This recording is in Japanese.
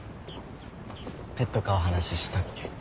ペット飼う話したっけ？